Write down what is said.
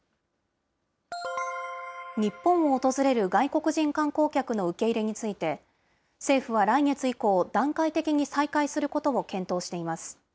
日本を訪れる外国人観光客の受け入れについて、政府は来月以降、段階的に再開することを検討しています。